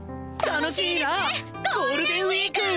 楽しいですねゴールデンウイーク！